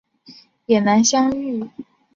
也难以相遇